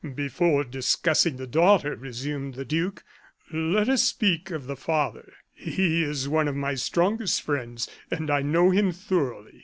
"Before discussing the daughter," resumed the duke, "let us speak of the father. He is one of my strongest friends; and I know him thoroughly.